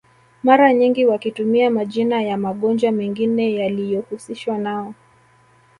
Mara nyingi wakitumia majina ya magonjwa mengine yaliyohusishwa nao